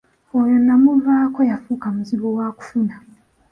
Oyo namuvaako yafuuka muzibu wakufuna.